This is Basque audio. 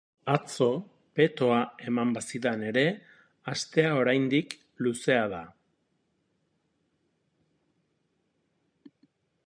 Atzo petoa eman bazidan ere astea oraindik luzea da.